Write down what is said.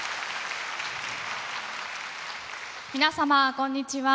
皆様こんにちは。